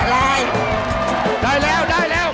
รอให้รู้